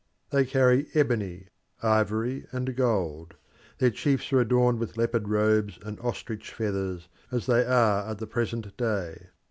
They carry ebony, ivory, and gold; their chiefs are adorned with leopard robes and ostrich feathers, as they are at the present day.